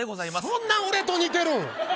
そんな俺と似てるん。